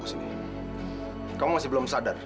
tak ada masalah